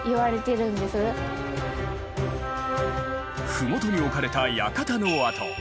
麓に置かれた館の跡。